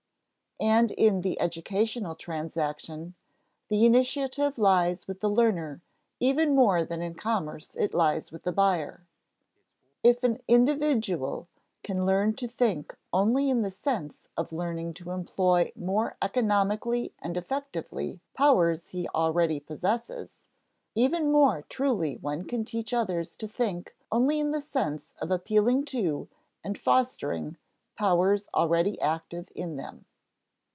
And in the educational transaction, the initiative lies with the learner even more than in commerce it lies with the buyer. If an individual can learn to think only in the sense of learning to employ more economically and effectively powers he already possesses, even more truly one can teach others to think only in the sense of appealing to and fostering powers already active in them.